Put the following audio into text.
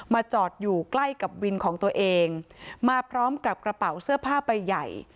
จอดอยู่ใกล้กับวินของตัวเองมาพร้อมกับกระเป๋าเสื้อผ้าใบใหญ่